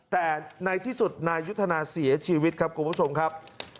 แต่ในที่สุดนายยุทธนาเสียชีวิตครับคุณผู้ชมครับ